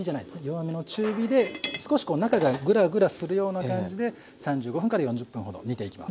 弱めの中火で少しこう中がグラグラするような感じで３５分４０分ほど煮ていきます。